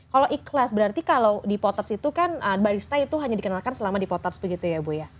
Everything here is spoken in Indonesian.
kalau ikhlas berarti kalau di potos itu kan barista itu hanya dikenalkan selama di potos begitu ya bu ya